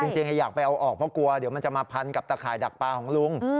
จริงอยากไปเอาออกเพราะกลัวเดี๋ยวมันจะมาพันกับตะข่ายดักปลาของลุง